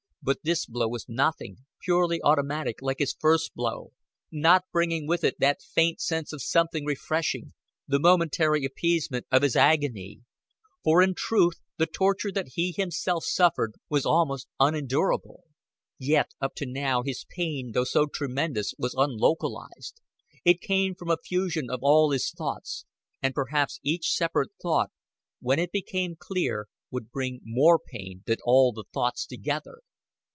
But this blow was nothing, purely automatic, like his first blow, not bringing with it that faint sense of something refreshing, the momentary appeasement of his agony. For in truth the torture that he himself suffered was almost unendurable. Yet up to now his pain, though so tremendous, was unlocalized; it came from a fusion of all his thoughts, and perhaps each separate thought, when it became clear, would bring more pain than all the thoughts together.